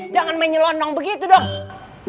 jangan main nyelondong begitu dong